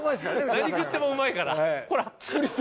何食ってもうまいから。